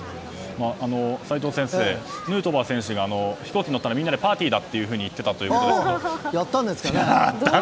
齋藤先生、ヌートバー選手が飛行機乗ったらみんなでパーティーだとやったんですかね。